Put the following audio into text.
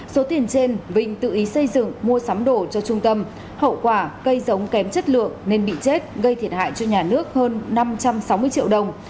số tiền trên vinh tự ý xây dựng mua sắm đổ cho trung tâm hậu quả cây giống kém chất lượng nên bị chết gây thiệt hại cho nhà nước hơn năm trăm sáu mươi triệu đồng